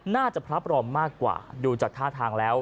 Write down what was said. พระปลอมมากกว่าดูจากท่าทางแล้ว